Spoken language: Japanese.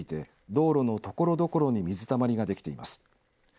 雨が降り続いていて道路のところどころに水たまりができています。